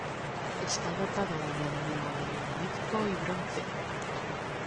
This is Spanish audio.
Está datado en el neo-eneolítico y bronce.